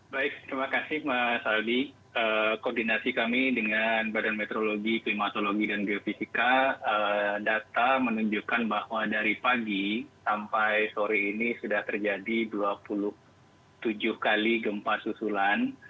baik terima kasih mas aldi koordinasi kami dengan badan meteorologi klimatologi dan geofisika data menunjukkan bahwa dari pagi sampai sore ini sudah terjadi dua puluh tujuh kali gempa susulan